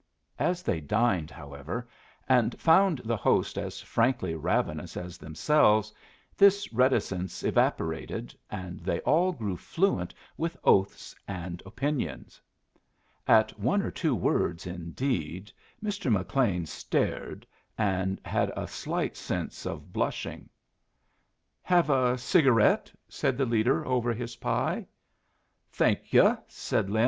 As they dined, however, and found the host as frankly ravenous as themselves, this reticence evaporated, and they all grew fluent with oaths and opinions. At one or two words, indeed, Mr. McLean stared and had a slight sense of blushing. "Have a cigarette?" said the leader, over his pie. "Thank yu'," said Lin.